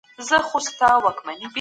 آيا ته د خپل نيکه کيسې په ياد لرې؟